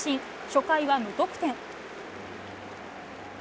初回は無得点。